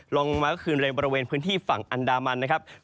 ลงมาคืนในบริเวณพื้นที่ฝั่งอันดามันนะครับ